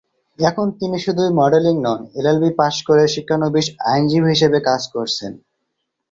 এখন তিনি শুধুই মডেলিং নন, এলএলবি পাশ করে শিক্ষানবিশ আইনজীবী হিসাবে কাজ করছেন।